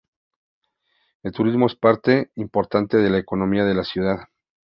El turismo es parte importante de la economía de la ciudad.